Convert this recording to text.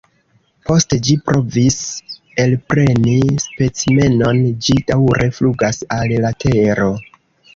Post ĝi provis elpreni specimenon, ĝi daŭre flugas al la tero.